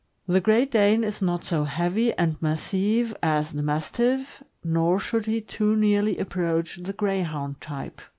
— The Great Dane is not so heavy and massive as the Mastiff, nor should he too nearly approach the Greyhound type.